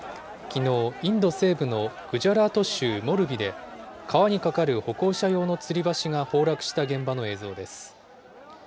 きのう、インド西部のグジャラート州モルビで、川に架かる歩行者用のつり橋が崩落した現場の映像です。